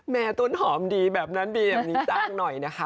ต้นหอมดีแบบนั้นดีแบบนี้สร้างหน่อยนะคะ